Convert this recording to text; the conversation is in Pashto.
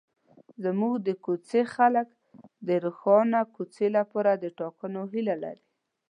زموږ د کوڅې خلک د روښانه کوڅې لپاره د ټاکنو هیله لري.